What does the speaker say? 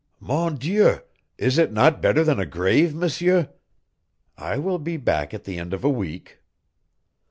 "Mon Dieu, is it not better than a grave, M'seur? I will be back at the end of a week."